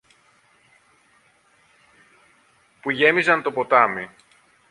που γέμιζαν το ποτάμι